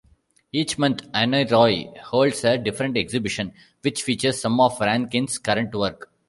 Each month "Annroy" holds a different exhibition, which features some of Rankin's current work.